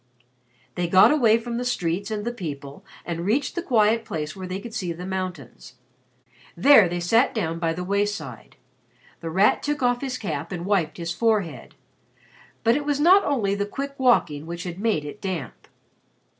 They got away from the streets and the people and reached the quiet place where they could see the mountains. There they sat down by the wayside. The Rat took off his cap and wiped his forehead, but it was not only the quick walking which had made it damp.